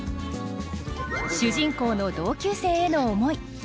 主人公の同級生への思い。